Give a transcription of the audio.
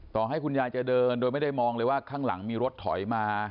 ต่อให้คุณยายจะเดินโดยไม่ได้มองเลยว่าข้างหลังมีรถถอยมา